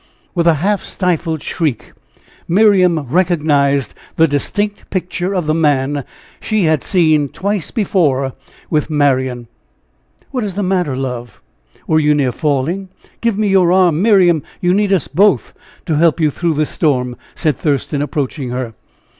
With a half stifled shriek, Miriam recognized the distinct picture of the man she had seen twice before with Marian. "What is the matter, love? Were you near falling? Give me your arm, Miriam you need us both to help you through this storm," said Thurston, approaching her.